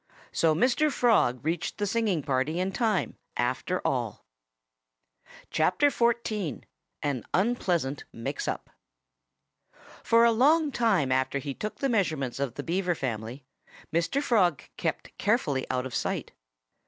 So Mr. Frog reached the singing party in time, after all. XIV AN UNPLEASANT MIX UP For a long time after he took the measurements of the Beaver family Mr. Frog kept carefully out of sight.